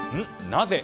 なぜ？